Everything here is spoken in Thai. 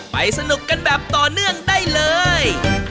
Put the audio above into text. สนุกกันแบบต่อเนื่องได้เลย